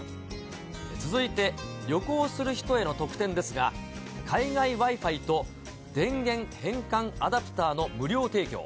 続いて、旅行する人への特典ですが、海外Ｗｉ−Ｆｉと電源変換アダプターの無料提供。